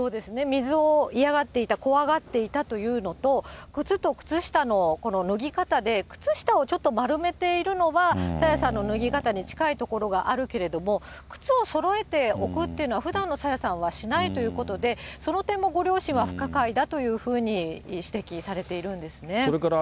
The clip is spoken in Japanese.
水を嫌がっていた、怖がっていたというのと、靴と靴下の脱ぎ方で、靴下をちょっと丸めているのは、朝芽さんの脱ぎ方に近いところがあるけれども、靴をそろえて置くというのは、ふだんの朝芽さんはしないということで、その点もご両親は不可解だというふうに指摘されているんですね。